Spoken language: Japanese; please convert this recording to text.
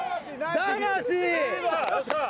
魂！